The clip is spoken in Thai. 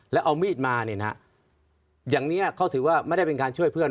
แล้วเอามีดมาเนี่ยนะอย่างนี้เขาถือว่าไม่ได้เป็นการช่วยเพื่อน